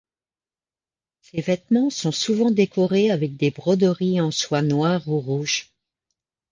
Ces vêtements sont souvent décorés avec des broderies en soie noire ou rouge.